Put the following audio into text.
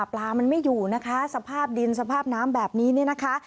ปลามันไม่อยู่นะคะสภาพดินสภาพน้ำแบบนี้เนี่ยนะคะ